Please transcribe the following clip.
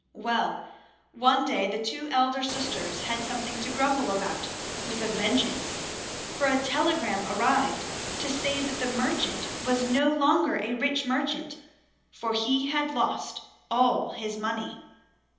Well, one day the two elder sisters had something to grumble about with a vengeance, for a telegram arrived to say that the merchant was no longer a rich merchant, for he had lost all his money.